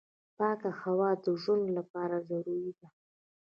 پاکه هوا د ژوند لپاره ضروري ده.